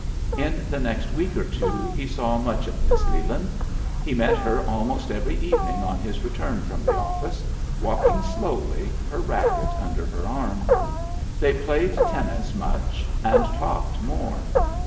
In the next week or two he saw much of Miss Leland. He met her almost every evening on his return from the office, walk ing slowly, her racket under her arm. They played tennis much and talked more.